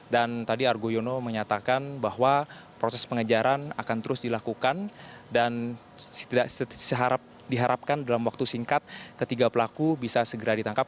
dan tadi argo yono menyatakan bahwa proses pengejaran akan terus dilakukan dan diharapkan dalam waktu singkat ketiga pelaku bisa segera ditangkap